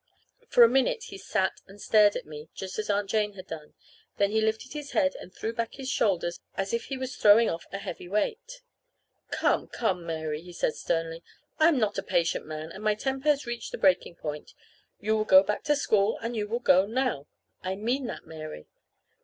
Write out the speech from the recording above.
For a minute he sat and stared at me just as Aunt Jane had done; then he lifted his head and threw back his shoulders as if he was throwing off a heavy weight. "Come, come, Mary," he said sternly. "I am not a patient man, and my temper has reached the breaking point. You will go back to school and you will go now. I mean that, Mary."